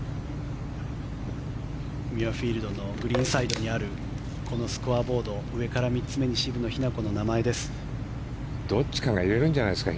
ミュアフィールドのグリーンサイドにあるこのスコアボード上から３つ目に渋野日向子の名前です。